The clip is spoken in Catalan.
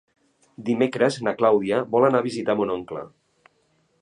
Dimecres na Clàudia vol anar a visitar mon oncle.